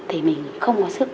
thì mình không có sức